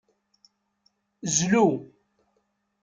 Zlu.